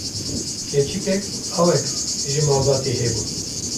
keçikek û lawek ji malbatê hebûn